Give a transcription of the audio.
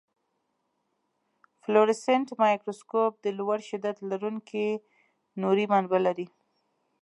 فلورسنټ مایکروسکوپ د لوړ شدت لرونکي نوري منبع لري.